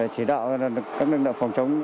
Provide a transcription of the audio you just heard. chỉ đạo các lực lượng phòng chống